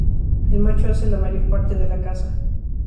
El macho hace la mayor parte de la caza.